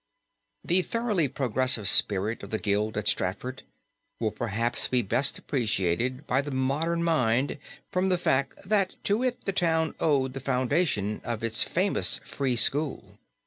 The thoroughly progressive spirit of the Guild at Stratford will perhaps be best appreciated by the modern mind from the fact, that to it the town owed the foundation of its famous free school.